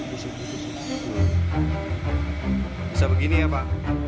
bisa begini ya pak